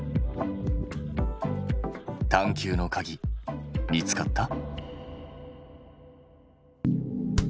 探究のかぎ見つかった？